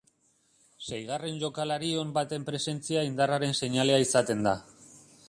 Seigarren jokalari on baten presentzia indarraren seinalea izaten da.